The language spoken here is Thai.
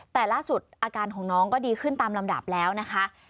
แต่ล่าสุดอาการของน้องก็ดีขึ้นตามลำดับแล้วนะคะ